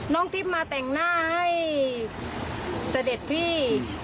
ทิพย์มาแต่งหน้าให้เสด็จพี่